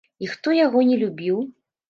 І хто яго не любіў?